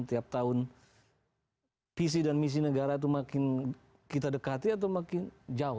tiap tahun visi dan misi negara itu makin kita dekati atau makin jauh